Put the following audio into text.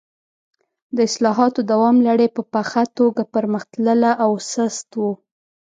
د اصلاحاتو دوام لړۍ په پڅه توګه پر مخ تلله او سست و.